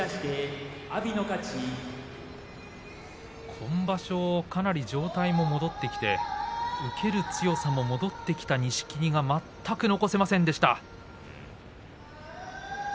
今場所、かなり状態も戻ってきて受ける強さも戻ってきた錦木が全く残せませんでした。